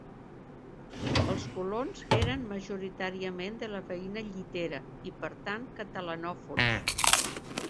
Els colons eren majoritàriament de la veïna Llitera, i, per tant, catalanòfons.